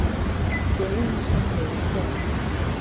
捷運新蘆線